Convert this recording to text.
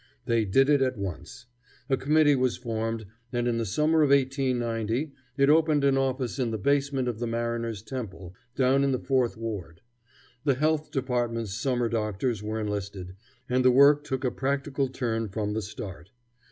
They did it at once. A committee was formed, and in the summer of 1890 it opened an office in the basement of the Mariners' Temple, down in the Fourth Ward. The Health Department's summer doctors were enlisted, and the work took a practical turn from the start.